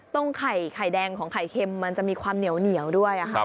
ตรงไข่แดงของไข่เค็มมันจะมีความเหนียวด้วย